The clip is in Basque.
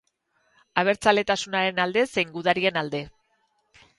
Abertzaletasunaren alde zein gudarien alde.